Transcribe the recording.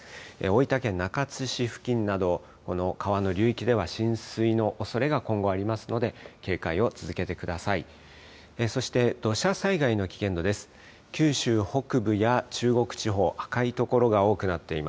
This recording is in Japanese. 大分県中津市付近など川の流域では浸水のおそれが今後、ありますので警戒を続けてください。